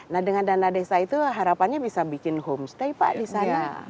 nah dengan dana desa itu harapannya bisa bikin homestay pak di sana